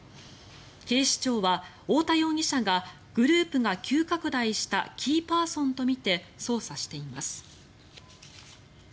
警視庁は、太田容疑者がグループが急拡大したキーパーソンとみて捜査しています。